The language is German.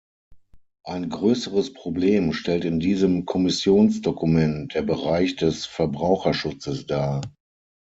Ein größeres Problem stellt in diesem Kommissionsdokument der Bereich des Verbraucherschutzes dar.